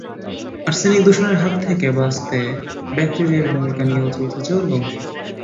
Arsenic দূষণের হাত থেকে বাঁচাতে ব্যাকটেরিয়ার ভূমিকা নিয়েও চলছে জোর গবেষণা।